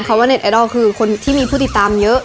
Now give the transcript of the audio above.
ว่าเน็ตไอดอลคือคนที่มีผู้ติดตามเยอะ